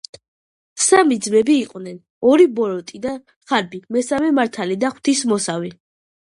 სამი ძმები იყვნენ. ორი ბოროტი და ხარბი, მესამე მართალი და ღვთისმოსავი.